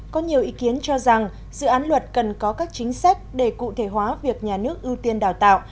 có nhiều ý kiến cho rằng dự án luật cần có các chính sách để cụ thể hóa việc nhà nước ưu tiên đào tạo